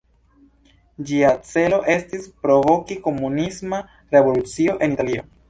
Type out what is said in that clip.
Ĝia celo estis provoki komunisma revolucio en Italio.